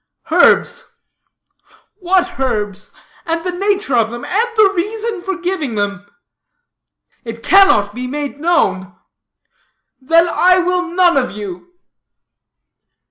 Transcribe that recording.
"Herbs." "What herbs? And the nature of them? And the reason for giving them?" "It cannot be made known." "Then I will none of you."